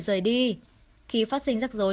rời đi khi phát sinh rắc rối